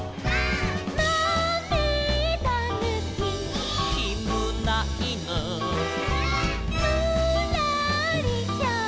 「まめだぬき」「」「きむないぬ」「」「ぬらりひょん」